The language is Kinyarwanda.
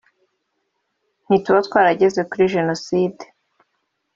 ntituba twarageze kuri Jenoside